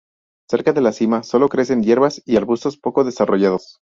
Cerca de la cima sólo crecen hierbas y arbustos poco desarrollados.